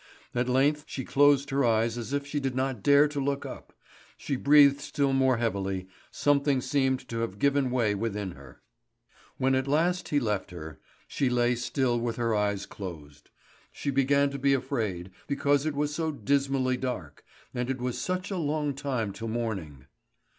At length she closed her eyes as if she did not dare to look up; she breathed still more heavily; something seemed to have given way within her. When at last he left her, she lay still with her eyes closed. She began to be afraid because it was so dismally dark, and it was such a long time to morning.